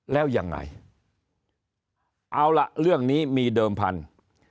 แล้วยังไงเอาล่ะเรื่องนี้มีเดิมพันธุ์